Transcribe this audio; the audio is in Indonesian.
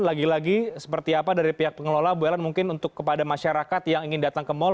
lagi lagi seperti apa dari pihak pengelola bu ellen mungkin untuk kepada masyarakat yang ingin datang ke mal